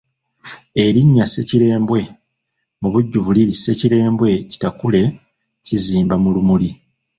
Erinnya Ssekirembwe mubujjuvu liri Ssekirembwe kitaakule kizimba mu lumuli.